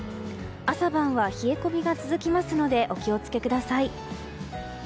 朝晩は冷え込みが続きますのでお気を付けください。